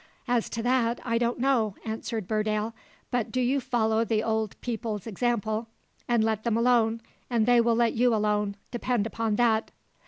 "As to that, I don't know," answered Burdale; "but do you follow the old people's example, and let them alone, and they will let you alone, depend upon that!"